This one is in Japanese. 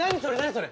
それ。